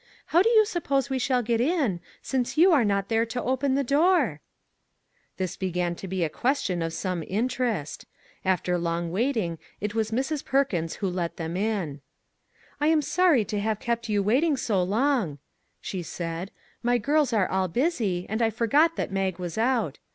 How do you suppose we shall get in, since you are not there to open the door ?" This began to be a question of some interest. After long waiting it was Mrs. Perkins who let them in. " I am sorry to have kept you waiting so long," she said ;" the girls are all busy, and I forgot that Mag was out.